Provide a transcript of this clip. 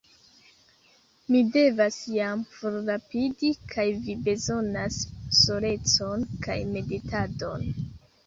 Mi devas jam forrapidi; kaj vi bezonas solecon kaj meditadon.